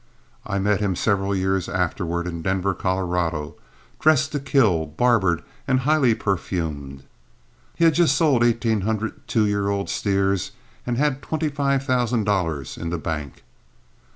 I met him several years afterward in Denver, Colorado, dressed to kill, barbered, and highly perfumed. He had just sold eighteen hundred two year old steers and had twenty five thousand dollars in the bank.